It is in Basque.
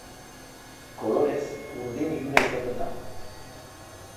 Kolorez, urdin iluna izaten da.